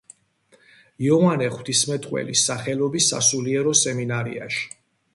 იოანე ღვთისმეტყველის სახელობის სასულიერო სემინარიაში.